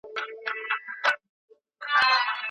تاسي باید پښتو ژبه د معاصر ټیکنالوژۍ سره برابره کړئ